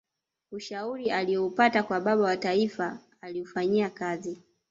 ushauri aliyoupata kwa baba wa taifa aliufanyia kazi